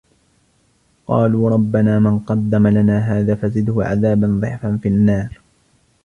قَالُوا رَبَّنَا مَنْ قَدَّمَ لَنَا هَذَا فَزِدْهُ عَذَابًا ضِعْفًا فِي النَّارِ